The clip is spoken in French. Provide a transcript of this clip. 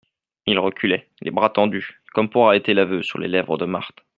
Il reculait, les bras tendus, comme pour arrêter l'aveu sur les lèvres de Marthe.